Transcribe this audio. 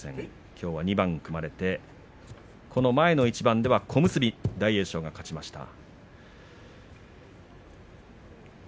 きょうは２番組まれてこの前の一番では小結の大栄翔が勝ちました。